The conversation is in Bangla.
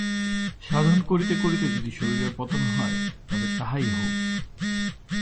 সাধন করিতে করিতে যদি শরীরের পতন হয়, তবে তাহাই হউক।